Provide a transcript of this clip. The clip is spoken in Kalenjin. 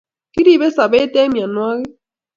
Kirepe sobet eng miandwakik